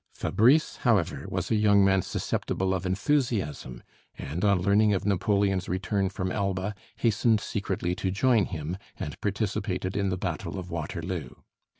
Fabrice, however, was "a young man susceptible of enthusiasm," and on learning of Napoleon's return from Elba, hastened secretly to join him, and participated in the battle of Waterloo.